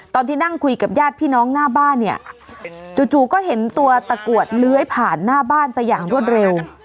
ตอนที่นั่งคุยกับญาติพี่น้องหน้าบ้านเนี่ยจู่ก็เห็นตัวตะกรวดเลื้อยผ่านหน้าบ้านไปอย่างรวดเร็ว